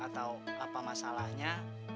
atau apa masalahnya